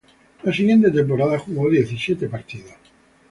La siguiente temporada jugó diecisiete partidos.